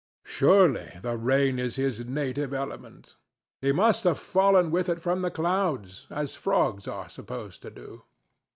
Surely the rain is his native element; he must have fallen with it from the clouds, as frogs are supposed to do.